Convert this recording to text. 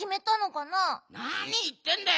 なにいってんだよ！